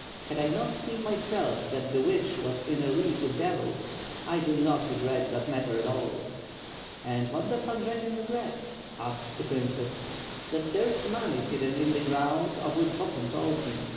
Had I not seen myself that the witch waa in a league with devils! I do not regret that matter at all." "And what does Pan Jendzian regret?" asked the princess. "That there is money hidden in the ground of which Bo hun told me.